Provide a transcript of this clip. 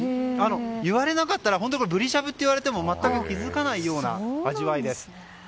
言われなかったらブリしゃぶって言われても全く気づかないような味わいです。